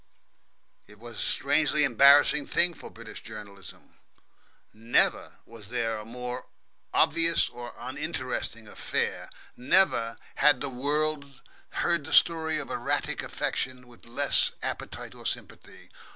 It was a strangely embarrassing thing for British journalism. Never was there a more obvious or uninteresting affair; never had the world heard the story of erratic affection with less appetite or sympathy.